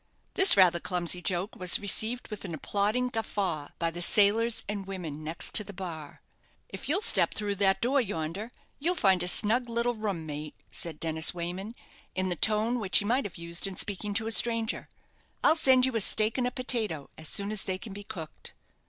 This rather clumsy joke was received with an applauding guffaw by the sailors and women next the bar. "If you'll step through that door yonder, you'll find a snug little room, mate," said Dennis Wayman, in the tone which he might have used in speaking to a stranger; "I'll send you a steak and a potato as soon as they can be cooked."